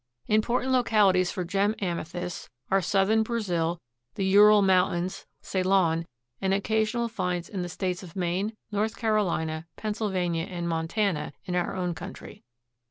Important localities for gem amethysts are Southern Brazil, the Ural Mountains, Ceylon, and occasional finds in the States of Maine, North Carolina, Pennsylvania and Montana in our own country.